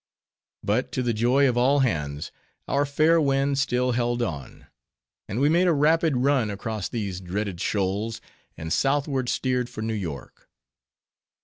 But, to the joy of all hands, our fair wind still held on; and we made a rapid run across these dreaded shoals, and southward steered for New York.